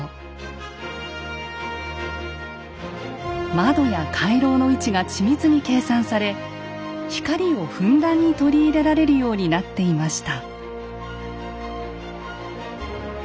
窓や回廊の位置が緻密に計算され光をふんだんに取り入れられるようになっていました。